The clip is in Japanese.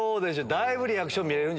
だいぶリアクション見れる。